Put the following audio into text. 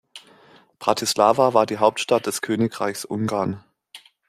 Bratislava war die Hauptstadt des Königreichs Ungarn.